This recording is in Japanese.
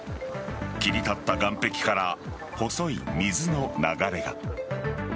切り立った岸壁から細い水の流れが。